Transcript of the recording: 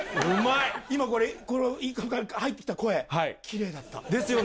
今これ、インカムから入ってきた声、きれいだった。ですよね？